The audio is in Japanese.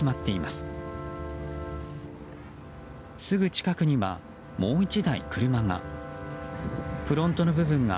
すぐ近くには、もう１台車が。